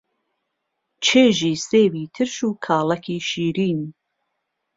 چێژی سێوی ترش و کاڵەکی شیرین